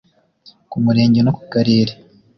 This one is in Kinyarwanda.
ku murenge no ku karere